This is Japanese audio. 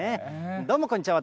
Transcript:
どうも、こんにちは。